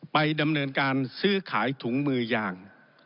ไปดำเนินการซื้อขายถุงมือยาง